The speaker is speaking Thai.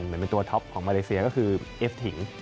เหมือนเป็นตัวท็อปของมาเลเซียก็คือเอสถิง